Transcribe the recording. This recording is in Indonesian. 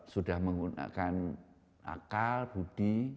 sudah menggunakan akal budi